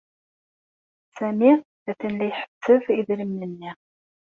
Sami atan la iḥesseb idrimen-nni.